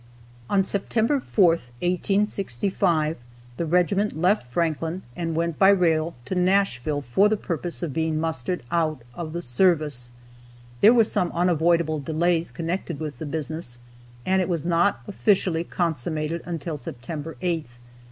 On September 4th, 1865, the regiment left Franklin and went by rail to Nashville for the purpose of being mustered out of the service. There were some unavoidable delays connected with the business, and it was not officially consummated until September 8th.